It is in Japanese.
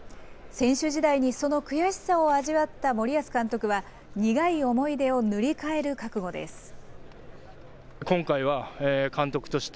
選手時代にその悔しさを味わった森保監督は、苦い思い出を塗り替える覚悟です。